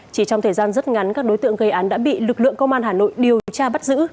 chỉ trong thời gian rất ngắn các đối tượng gây án đã bị lực lượng công an hà nội điều tra bắt giữ